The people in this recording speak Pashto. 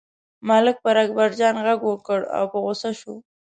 ملک پر اکبرجان غږ وکړ او په غوسه شو.